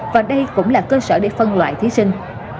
và đây cũng là cơ sở để phân loại thí sinh